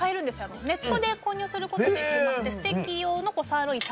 ネットで購入することもできましてステーキ用のサーロイン１００ｇ